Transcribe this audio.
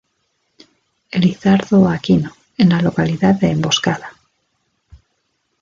Elizardo Aquino, en la localidad de Emboscada.